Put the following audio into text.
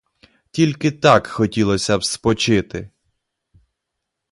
Тільки так хотілося б спочити!